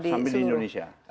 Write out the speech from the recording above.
bukan sampai di indonesia